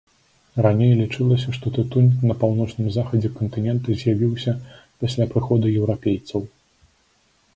Раней лічылася, што тытунь на паўночным захадзе кантынента з'явіўся пасля прыходу еўрапейцаў.